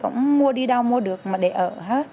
cũng mua đi đâu mua được mà để ở hết